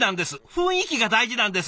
雰囲気が大事なんです！